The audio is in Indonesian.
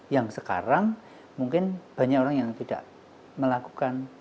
yang sekarang mungkin banyak orang yang tidak melakukan